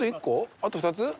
あと２つ？